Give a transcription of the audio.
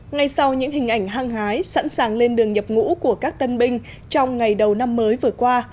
ngay sau những hình ảnh hăng hái sẵn sàng lên đường nhập ngũ của các tân binh trong ngày đầu năm mới vừa qua